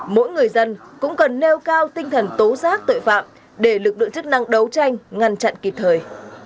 mỗi người dân cũng cần nêu cao tinh thần tố giác tội phạm để lực lượng chức năng đấu tranh ngăn chặn kịp thời